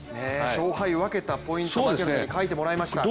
勝敗を分けたポイントを書いていただきました。